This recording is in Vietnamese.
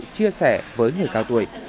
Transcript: chia sẻ với người cao tuổi